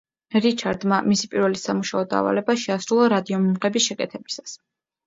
რიჩარდმა, მისი პირველი სამუშაო დავალება შეასრულა რადიომიმღების შეკეთებისას.